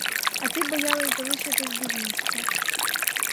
А ти боялась залишитись без місця.